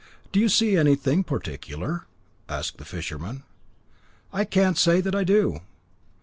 "Do you see anything particular?" asked the fisherman. "I can't say that I do."